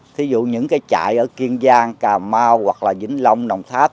thí dụ những cái chạy ở kiên giang cà mau hoặc là vĩnh long đồng tháp